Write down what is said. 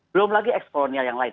belum lagi ekskolonial yang lain